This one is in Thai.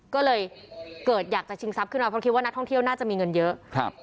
ก็เลยเกิดอยากจะชิงทรัพย์ขึ้นมาเพราะคิดว่านักท่องเที่ยวน่าจะมีเงินเยอะครับ